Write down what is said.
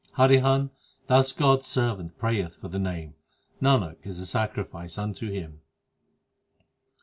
Harihan, thus God s servant prayeth for the Name ; Nanak is a sacrifice unto him.